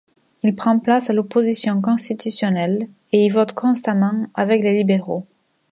Il prend place dans l'opposition constitutionnelle et y vote constamment avec les libéraux.